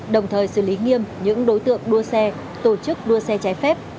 đồng thời xử lý nghiêm những đối tượng đua xe tổ chức đua xe trái phép